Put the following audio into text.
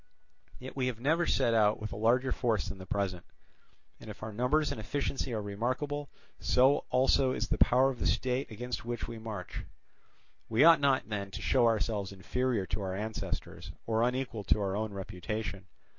Yet we have never set out with a larger force than the present; and if our numbers and efficiency are remarkable, so also is the power of the state against which we march. We ought not then to show ourselves inferior to our ancestors, or unequal to our own reputation.